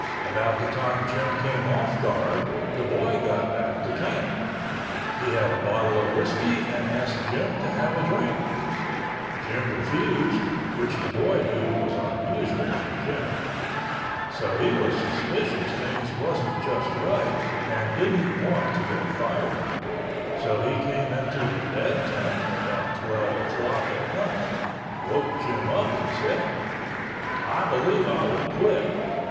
About the time Jim came off guard, the boy got back to camp. He had a bottle of whiskey and asked Jim to have a drink. Jim refused, which the boy knew was unusual for Jim. So he was suspicious things wasn't just right and didn't want to get fired. So he came into the bed tent about twelve o'clock at night, woke Jim up and said, "I believe I will quit."